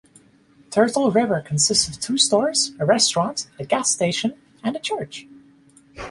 Turtle River consists of two stores, a restaurant, a gas station, and a church.